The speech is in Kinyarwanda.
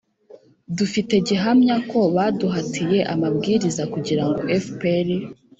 dufite gihamya ko baduhatiye amabwiriza kugira ngo fpr